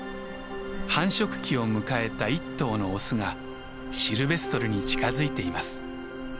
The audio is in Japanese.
繁殖期を迎えた一頭のオスがシルベストルに近づいています。